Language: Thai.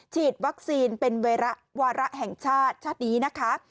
ฉีดวัคซีนเป็นวาระแห่งชาติชาตินี้นะคะ